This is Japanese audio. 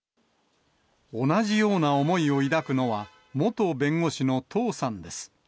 同じような思いを抱くのは、元弁護士の唐さんです。